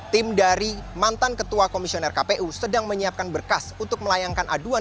tim dari mantan ketua komisioner kpu sedang menyiapkan berkas untuk melayangkan aduan